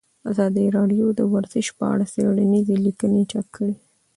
ازادي راډیو د ورزش په اړه څېړنیزې لیکنې چاپ کړي.